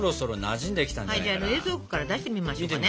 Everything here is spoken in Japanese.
じゃあ冷蔵庫から出してみましょうかね。